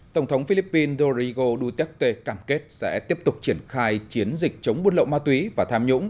tổng thống philippines dorigo duterte cam kết sẽ tiếp tục triển khai chiến dịch chống buôn lậu ma túy và tham nhũng